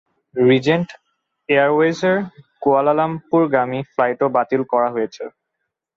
Regent এয়ারওয়েজের কুয়ালালামপুরগামী ফ্লাইটও বাতিল করা হয়েছে।